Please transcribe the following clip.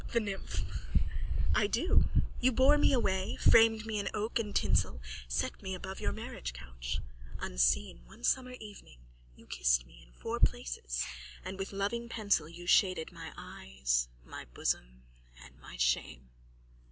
_ THE NYMPH: I do. You bore me away, framed me in oak and tinsel, set me above your marriage couch. Unseen, one summer eve, you kissed me in four places. And with loving pencil you shaded my eyes, my bosom and my shame.